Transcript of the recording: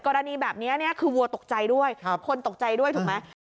กรณีแบบนี้คือวัวตกใจด้วยคนตกใจด้วยถูกไหม